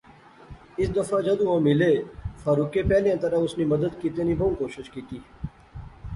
اس دفعہ جدوں او ملے فاروقیں پہلیاں طرح اس نی مدد کیتے نی بہوں کوشش کیتی